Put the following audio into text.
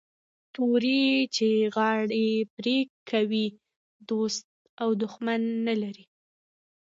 توري چي غاړي پرې کوي دوست او دښمن نه لري